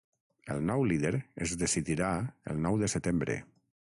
El nou líder es decidirà el nou de setembre.